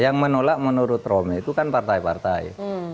yang menolak menurut romy itu kan partai partai